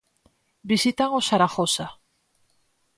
Visitan o Zaragoza.